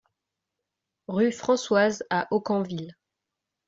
RUE FRANCOISE à Aucamville